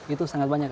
itu sangat banyak